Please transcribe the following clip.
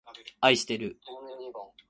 あいしてる